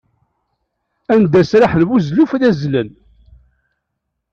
Anda sraḥen buzelluf ad azzlen.